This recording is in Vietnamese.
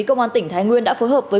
công an tỉnh thái nguyên đã phối hợp với